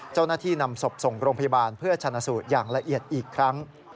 เจ้าหน้าที่นำศพส่งโรงพยาบาลเพื่อชนะสูตรอย่างละเอียดอีกครั้ง